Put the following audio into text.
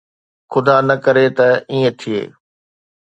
خدا نه ڪري ته ائين ٿئي.